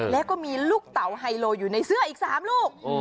แล้วก็มีลูกเต๋าไฮโลอยู่ในเสื้ออีก๓ลูก